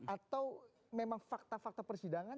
atau memang fakta fakta persidangan